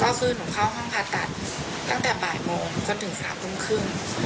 ก็คือหนูเข้าห้องผ่าตัดตั้งแต่บ่ายโมงจนถึง๓ทุ่มครึ่ง